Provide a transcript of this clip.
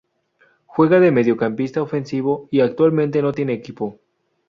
Juega de mediocampista ofensivo y actualmente no tiene equipo.